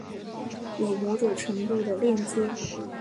有某种程度的链接